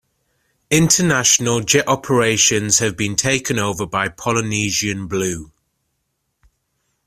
International jet operations have been taken over by Polynesian Blue.